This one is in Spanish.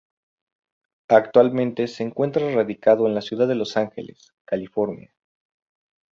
Actualmente se encuentra radicado en la ciudad de Los Angeles, California.